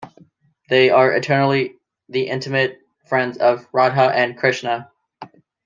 They are eternally the intimate friends of Radha and Krishna.